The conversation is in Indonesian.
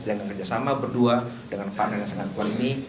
kerjasama berdua dengan partner yang sangat kuat ini